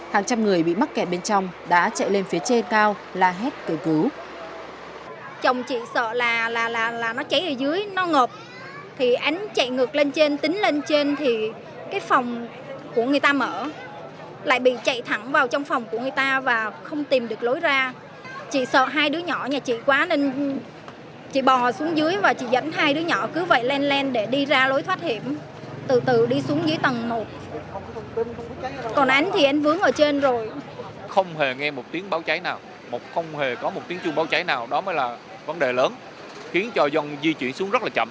hàng trăm người bị mắc kẹt bên trong đã chạy lên phía trên cao là hết cơ cứu